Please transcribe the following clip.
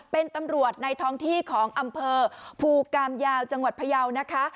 เป็นตำรวจในท้องที่ของอำเภอภูกามยาวจังหวัดพยาวนะคะ